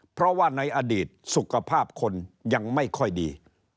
เพราะว่าในอดีตสุขภาพคนยังไม่ค่อยดี